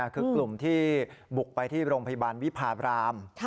คือกลุ่มที่บุกไปที่โรงพยาบาลวิพาบราม